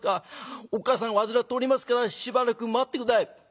おっ母さん患っておりますからしばらく待って下さい」。